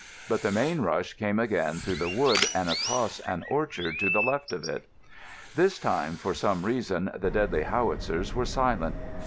But the main rush came again through the wood and across an orchard to the left of it. This time, for some reason, the deadly howitzers were silent.